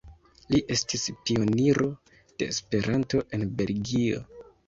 Li estis pioniro de Esperanto en Belgio.